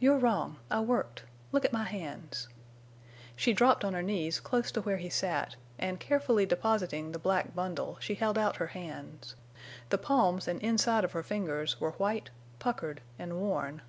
"You're wrong. I worked. Look at my hands." She dropped on her knees close to where he sat, and, carefully depositing the black bundle, she held out her hands. The palms and inside of her fingers were white, puckered, and worn.